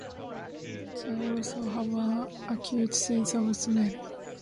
They also have an acute sense of smell.